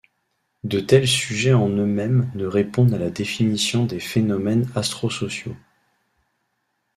De tels sujets en eux-mêmes ne répondent à la définition des phénomènes astrosociaux.